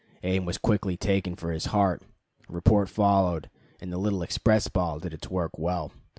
Aim was quickly taken for his heart. A report followed, and the little express ball did its work well.